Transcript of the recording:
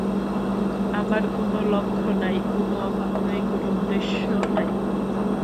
আমার কোন লক্ষ্য নাই, কোন অভাব নাই, কোন উদ্দেশ্য নাই।